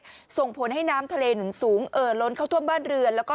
ส่งผลให้น้ำทะเลหนุนสูงเอ่อล้นเข้าท่วมบ้านเรือนแล้วก็